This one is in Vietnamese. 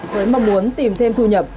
với mong muốn tìm thêm thu nhập